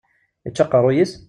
Ičča aqeṛṛuy-is?